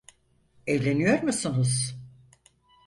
Evleniyor musunuz?